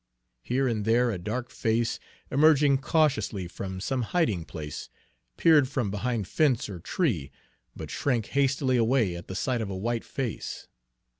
Here and there a dark face, emerging cautiously from some hiding place, peered from behind fence or tree, but shrank hastily away at the sight of a white face.